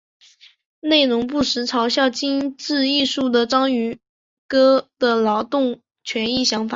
内容不时嘲笑精致艺术和章鱼哥的劳工权益想法。